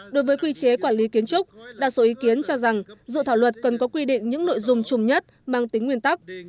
đối với quy chế quản lý kiến trúc đa số ý kiến cho rằng dự thảo luật cần có quy định những nội dung chung nhất mang tính nguyên tắc